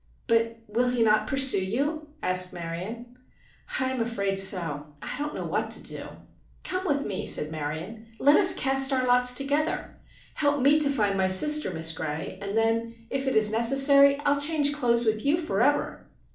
"But will he not pursue you," asked Marion. "I am afraid so. I don't know what to do!" "Come with me," said Marion. "Let us cast our lots together! Help me to find my sister, Miss Gray, and then, if it is necessary, I'll change clothes with you forever!"